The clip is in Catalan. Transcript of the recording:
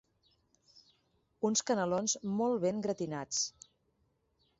Uns canelons molt ben gratinats.